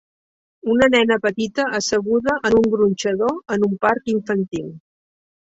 Una nena petita asseguda en un gronxador en un parc infantil.